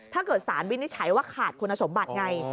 ถ้าเกิดสารวินิจฉัยว่าขาดคุณสมบัติไง